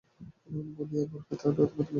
বলিয়া ঘর হইতে দ্রুতপদে বাহির হইয়া গেলেন।